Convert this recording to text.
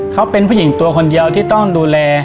เขาเป็นผู้หญิงตัวคนเดียวที่ต้องดูแล